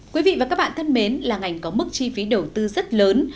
quý vị và các bạn thân mến là ngành có mức chi phí đầu tư rất lớn